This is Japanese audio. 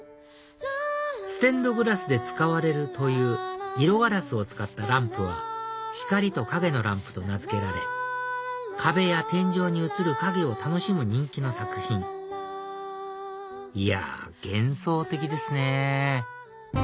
ステンドグラスで使われるという色ガラスを使ったランプは光と影のランプと名付けられ壁や天井に映る影を楽しむ人気の作品いや幻想的ですね